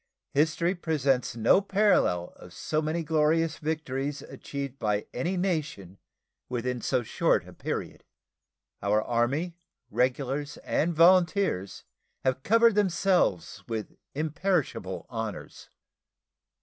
History presents no parallel of so many glorious victories achieved by any nation within so short a period. Our Army, regulars and volunteers, have covered themselves with imperishable honors.